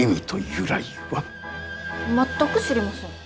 全く知りません。